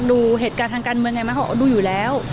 ดูเหตุการณ์ทางการเมืองไงไหมเขาก็ดูอยู่แล้ว